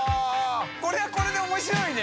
これはこれで面白いね。